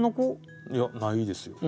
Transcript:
いやないですよ。